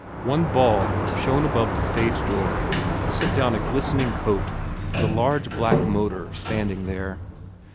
One bulb shone above the stage door and sent down a glistening coat for the large black motor stand ing there.